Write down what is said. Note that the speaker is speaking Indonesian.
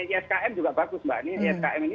iskm juga bagus mbak ini yskm ini